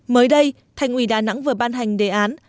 mới đây thành ủy đà nẵng vừa ban hành đề án